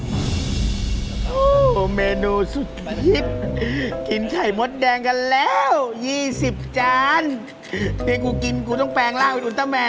เออเมนูสุดฮิตนะคนไข่ม็อตแดงกันแล้ว๒๐แล้วมีกุกินกูต้องแแรงแล้ว